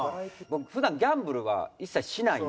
僕普段ギャンブルは一切しないんで。